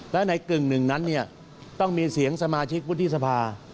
และในกึ่งหนึ่งนั้นเนี่ยต้องมีเสียงสมาชิกวุฒิสภา